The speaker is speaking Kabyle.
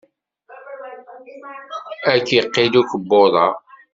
Ad k-iqidd ukebbuḍ-a.